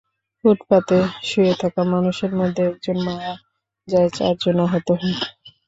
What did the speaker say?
ফুটপাতে শুয়ে থাকা মানুষের মধ্যে একজন মারা যায়, চারজন আহত হয়।